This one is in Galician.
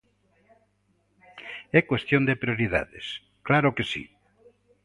É cuestión de prioridades, ¡claro que si!